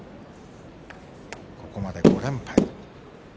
ここまで５連敗。